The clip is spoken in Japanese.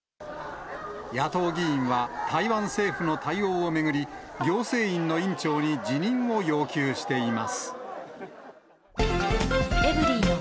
野党議員は、台湾政府の対応を巡り、行政院の院長に辞任を要求しています。